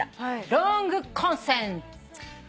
ロングコンセント。